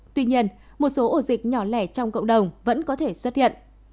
tuy nhiên một số ổ dịch nhỏ lẻ trong cộng đồng vẫn có thể xuất hiện